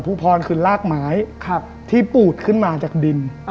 พรคือลากไม้ที่ปูดขึ้นมาจากดิน